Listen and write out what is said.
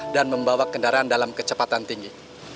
dan membawa kendaraan dalam kecepatan tinggi